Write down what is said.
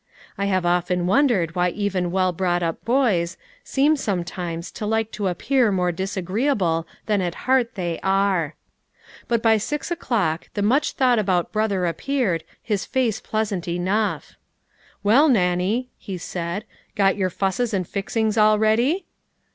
I have often wondered why even well brought up boys, seem sometimes to like to appear more disagree able than at heart they are. But by six o'clock the much thought about brother appeared, his face pleasant enough. THE CONCERT. 267 "Well, Nannie," he said, "got your fusses and fixings all ready